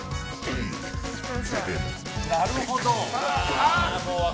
なるほど。